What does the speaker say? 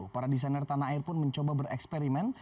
para desainer tanah air pun mencoba bereksperimen